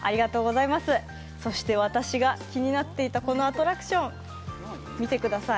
そして私が気になっていたこのアトラクション見てください。